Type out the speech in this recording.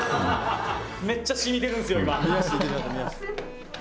「めっちゃ染みてるんですよ今」